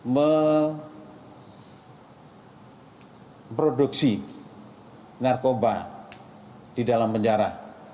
memproduksi narkoba di dalam penjara